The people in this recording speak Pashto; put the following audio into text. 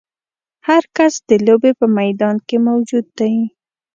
هر کس د لوبې په میدان کې موجود دی.